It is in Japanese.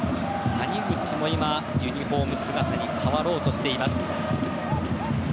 谷口も今、ユニホーム姿に変わろうとしています。